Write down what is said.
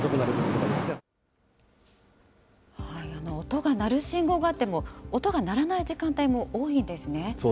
音が鳴る信号があっても、音が鳴らない時間帯も多いんですね。